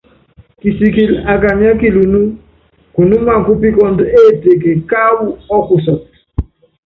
Kisikili á kanyiɛ́ kilunú, kunúmá kúpikɔ́ndɔ éteke káwu ɔ́kusɔ́tɔ.